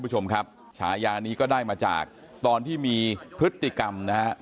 ฉายารนี้ได้มาจากตอนที่มีพฤติกรรม